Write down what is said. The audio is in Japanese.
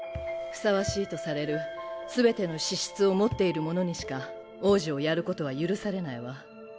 ふさわしいとされる全ての資質を持っている者にしか王子をやることは許されないわ。